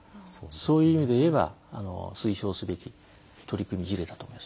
そういう意味でいえば推奨すべき取り組み事例だと思います。